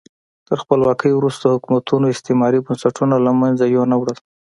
تر خپلواکۍ وروسته حکومتونو استعماري بنسټونه له منځه یو نه وړل.